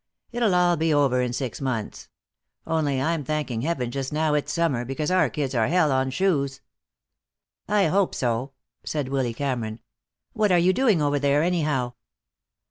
It'll all be over in six months. Only I'm thanking heaven just now it's summer, because our kids are hell on shoes." "I hope so," said Willy Cameron. "What are you doing over there, anyhow?"